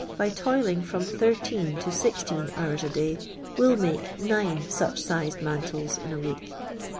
by toil mg from thir teen to sixteen hours a day, will make nUe !»uch si/.pd mantles in a week.